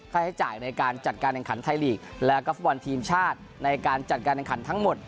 ให้ใช้จ่ายในการจัดการแข่งขันไทยลีกแล้วก็ฟุตบอลทีมชาติในการจัดการแข่งขันทั้งหมด